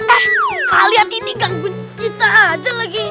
eh kalian ini ganggu kita aja lagi